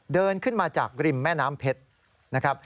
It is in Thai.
เดินขึ้นมาจากริมแม่น้ำเพชรนะครับ